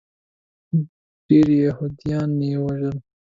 ډیری یهودیان یې ووژل.